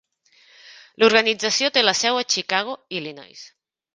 L'organització té la seu a Chicago, Illinois.